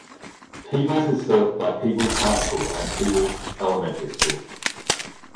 Peebles is served by Peebles High School and Peebles Elementary School.